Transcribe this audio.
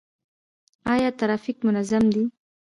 آیا ټرافیک منظم دی؟